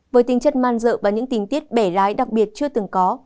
với tính chất man dợ và những tình tiết bẻ lái đặc biệt chưa từng có